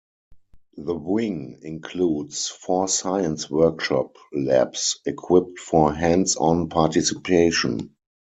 The wing includes four science-workshop labs equipped for "hands-on participation".